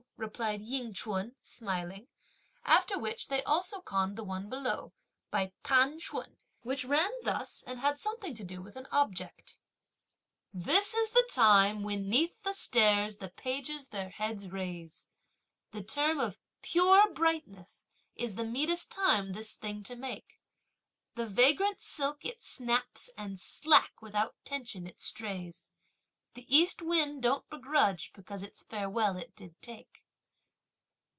replied Ying Ch'un smiling; after which they also conned the one below, by T'an ch'un, which ran thus and had something to do with an object: This is the time when 'neath the stairs the pages their heads raise! The term of "pure brightness" is the meetest time this thing to make! The vagrant silk it snaps, and slack, without tension it strays! The East wind don't begrudge because its farewell it did take!